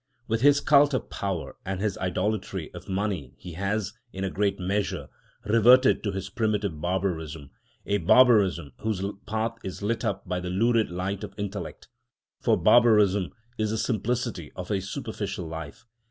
With his cult of power and his idolatry of money he has, in a great measure, reverted to his primitive barbarism, a barbarism whose path is lit up by the lurid light of intellect. For barbarism is the simplicity of a superficial life.